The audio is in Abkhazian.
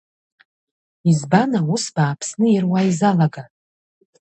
Избан аус бааԥсны ируа изалага?